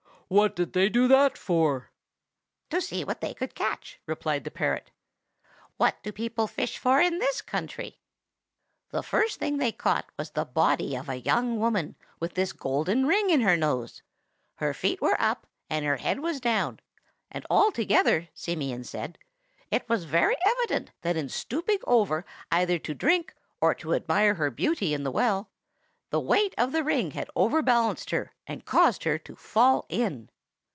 "What did they do that for?" "To see what they could catch," replied the parrot. "What do people fish for in this country? "The first thing they caught was the body of a young woman, with this golden ring in her nose. Her feet were up, and her head was down; and altogether, Simeon said, it was very evident that, in stooping over either to drink or to admire her beauty in the well, the weight of the ring had overbalanced her, and caused her to fall in.